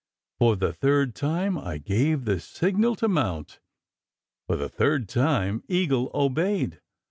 For the third time I gave the signal to mount. For the third time Eagle obeyed.